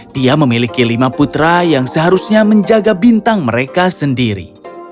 dia memiliki lima putra yang seharusnya menjaga bintang mereka sendiri